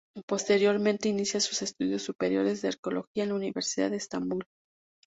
Posteriormente inicia sus estudios superiores de arqueología en la Universidad de Estambul.